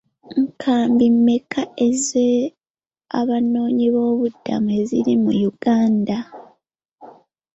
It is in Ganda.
Nkambi mmeka ez'abanoonyiboobubudamu eziri mu Uganda?